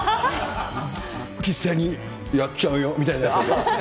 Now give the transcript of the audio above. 実際に、やっちゃうよみたいなこと。